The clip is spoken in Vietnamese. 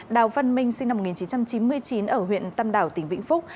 đào văn minh sinh năm một nghìn chín trăm chín mươi chín ở huyện tam đảo tỉnh vĩnh phúc